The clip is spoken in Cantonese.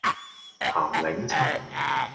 鹹檸七